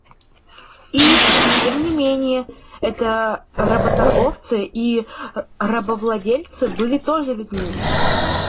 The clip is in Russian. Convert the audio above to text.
И, тем не менее, эти работорговцы и рабовладельцы были тоже людьми.